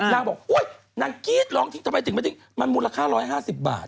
นางบอกอุ๊ยนางกรี๊ดร้องทิ้งทำไมถึงไม่ทิ้งมันมูลค่า๑๕๐บาท